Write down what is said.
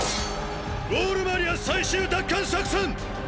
ウォール・マリア最終奪還作戦！！